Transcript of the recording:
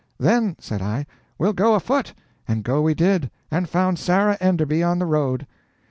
'Then,' said I, 'we'll go afoot.' And go we did. And found Sarah Enderby on the road."